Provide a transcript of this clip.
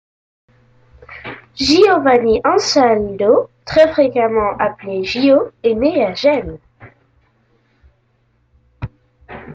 Giovanni Ansaldo, très fréquemment appelé Gio, est né à Gênes.